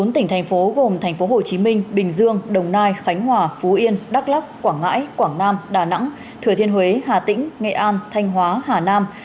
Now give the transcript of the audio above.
bốn tỉnh thành phố gồm thành phố hồ chí minh bình dương đồng nai khánh hòa phú yên đắk lắc quảng ngãi quảng nam đà nẵng thừa thiên huế hà tĩnh nghệ an thanh hóa hà nam